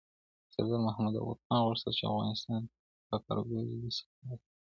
سردار محمد داود خان غوښتل چي افغانستان د فقر او بيوزلی څخه خلاص سي.